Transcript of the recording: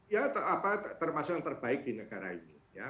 ya termasuk yang terbaik di negara ini